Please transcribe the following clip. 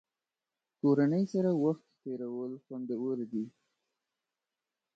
کورنۍ سره وخت تېرول خوندور دي.